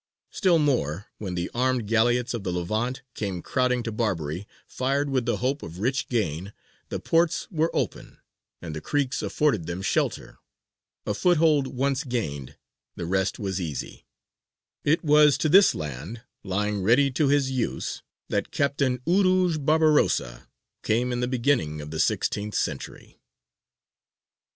Still more, when the armed galleots of the Levant came crowding to Barbary, fired with the hope of rich gain, the ports were open, and the creeks afforded them shelter. A foothold once gained, the rest was easy. It was to this land, lying ready to his use, that Captain Urūj Barbarossa came in the beginning of the sixteenth century.